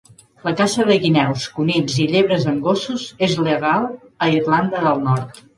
La caça de guineus, conills i llebres amb gossos és legal a Irlanda del Nord.